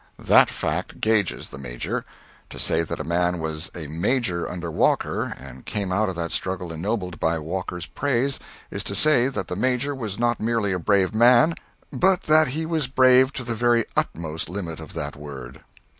That fact gauges the Major. To say that a man was a Major under Walker, and came out of that struggle ennobled by Walker's praise, is to say that the Major was not merely a brave man but that he was brave to the very utmost limit of that word.